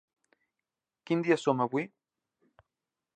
Quin dia som avui?